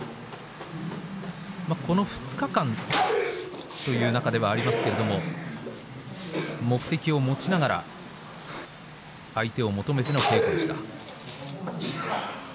この２日間という中ではありますが目的を持ちながら相手を求めての稽古でした。